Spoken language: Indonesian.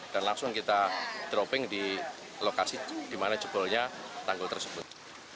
dan langsung kita dropping di lokasi di mana jebolnya tangguh tersebut